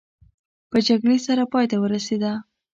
په جګړې سره پای ته ورسېده.